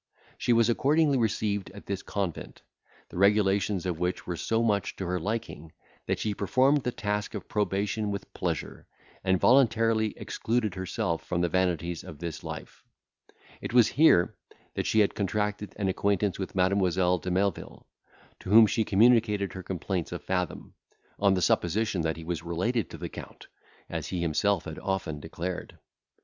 She was accordingly received in this convent, the regulations of which were so much to her liking, that she performed the task of probation with pleasure, and voluntarily excluded herself from the vanities of this life. It was here she had contracted an acquaintance with Mademoiselle de Melvil, to whom she communicated her complaints of Fathom, on the supposition that he was related to the Count, as he himself had often declared.